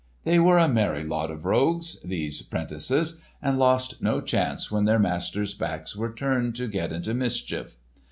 They were a merry lot of rogues—these 'prentices—and lost no chance when their masters' backs were turned to get into mischief.